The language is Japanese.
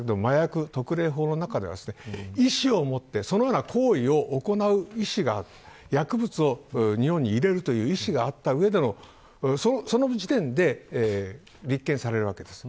これが今、説明ありましたけど麻薬特例法の中では意思を持ってそのような行為を行う意思が薬物を日本に入れるという意思があった上でのその時点で立件されるわけです。